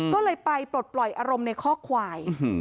ก็เลยไปปลดปล่อยอารมณ์ในข้อควาย